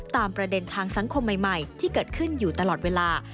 ตามประเด็นทางสังคมใหม่ที่เกิดขึ้นอยู่ตลอดเวลา